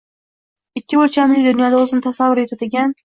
– ikki o‘lchamli dunyoda o‘zini tasavvur etadigan